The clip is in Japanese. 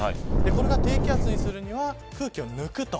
これを低気圧にするには空気を抜くと。